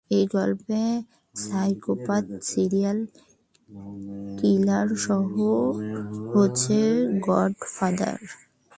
এই গল্পে psychopath serial কিলারই হচ্ছে গডফাদার।